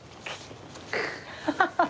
ハハハハ！